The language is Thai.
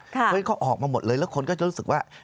เพราะฉะนั้นเขาออกมาหมดเลยแล้วคนก็จะรู้สึกว่า